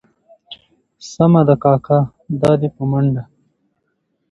سمه ده کاکا دا دي په منډه.